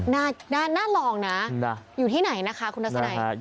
น่าลองนะอยู่ที่ไหนนะคะครับคุณละเสน่ห์